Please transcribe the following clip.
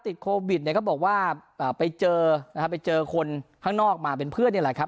ติดโควิดก็บอกว่าไปเจอคนข้างนอกมาเป็นเพื่อนนี่แหละครับ